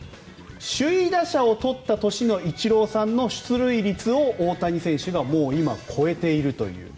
首位打者をとった年のイチローさんの出塁率を大谷選手がもう今超えているという。